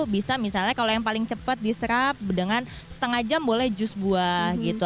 bisa misalnya kalau yang paling cepat diserap dengan setengah jam boleh jus buah gitu